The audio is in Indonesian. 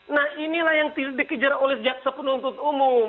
nah inilah yang dikejar oleh sepenuntut umum